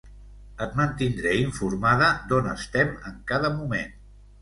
Et mantindré informada d'on estem en cada moment.